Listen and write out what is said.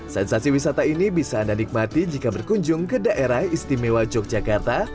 sensasi wisata ini bisa anda nikmati jika berkunjung ke daerah istimewa yogyakarta